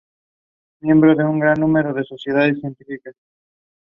In Cambodia it is especially common in Siem Reap and Preah Vihear provinces.